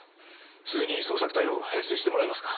すぐに捜索隊を編成してもらえますか？